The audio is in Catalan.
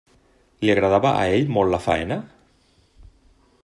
Li agradava a ell molt la faena?